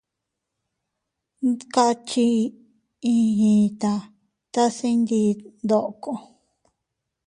Ndakchi iiyita tase ndiit ndoko.